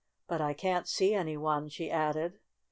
"But I can't see any one," she added.